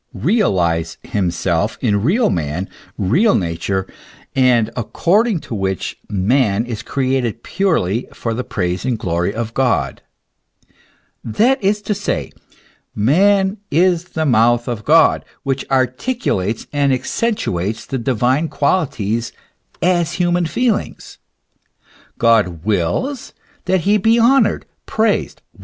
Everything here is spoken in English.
realize himself in real man, real nature, and according to which man 228 THE ESSENCE OF CHRISTIANITY. is created purely for the praise and glory of God. That is to say, man is the mouth of God, which articulates and accentuates the divine qualities as human feelings. God wills that he be honoured, praised.